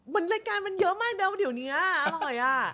มันรายการมันเยอะมากเดี๋ยวอยู่นี้อร่อยอะ